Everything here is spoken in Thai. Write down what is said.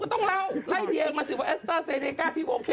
ต้องเล่าไล่เดียงมาสิว่าแอสเตอร์เซเนก้าที่โอเค